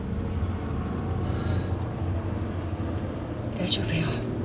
大丈夫よ。